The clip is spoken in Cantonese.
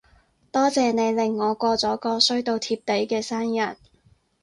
多謝你令我過咗個衰到貼地嘅生日